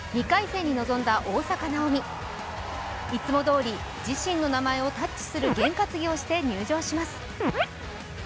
２回戦に臨んだ大坂なおみ。いつもどおり自身の名前をタッチする験担ぎをして入場します。